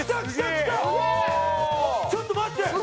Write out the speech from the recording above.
「ちょっと待って！